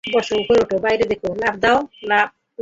বসো উপরে ওঠো বাইরে দেখো লাফ দাও - লাফ!